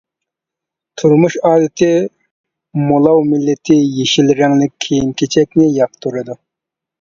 تۇرمۇش ئادىتى مۇلاۋ مىللىتى يېشىل رەڭلىك كىيىم-كېچەكنى ياقتۇرىدۇ.